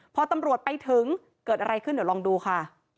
พอตำรวจไปถึงเกิดอะไรขึ้นเดี๋ยวลองดูค่ะ